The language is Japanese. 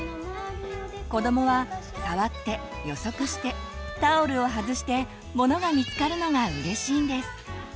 子どもは触って予測してタオルを外してものが見つかるのがうれしいんです。